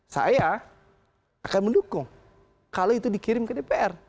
saya akan mendukung kalau itu dikirim ke dpr